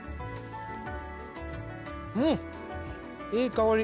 うんいい香り！